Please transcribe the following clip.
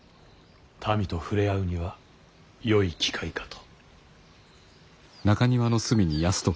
民と触れ合うにはよい機会かと。